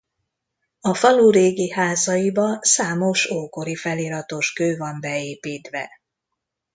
A falu régi házaiba számos ókori feliratos kő van beépítve.